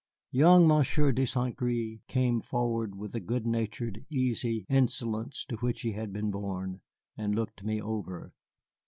Young Monsieur de Saint Gré came forward with the good natured, easy insolence to which he had been born, and looked me over.